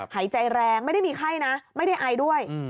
หายใจแรงไม่ได้มีไข้นะไม่ได้ไอด้วย